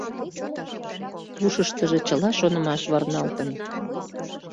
Ушыштыжо чыла шонымаш варналтын.